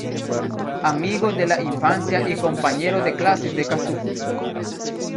Amigo de la infancia y compañero de clases de Kazuki.